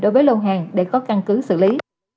đối với lô hàng để có căn cứ xử lý